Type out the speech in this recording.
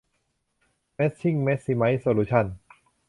แม็ทชิ่ง แม็กซิไมซ์ โซลูชั่น